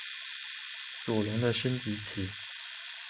左龙的升级棋。